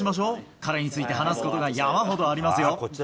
彼について話すことが山ほどありますよ。